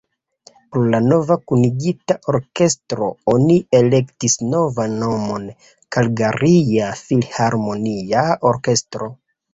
Por la nova kunigita orkestro oni elektis novan nomon: Kalgaria Filharmonia Orkestro.